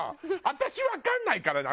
私わかんないかな？